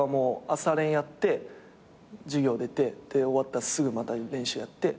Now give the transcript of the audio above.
朝練やって授業出て終わったらすぐまた練習やって。